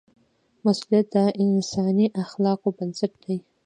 مسؤلیت د انساني اخلاقو بنسټ دی.